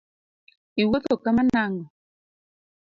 Iwuotho kama nang’o?